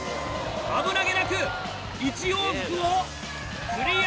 危なげなく１往復をクリアしました！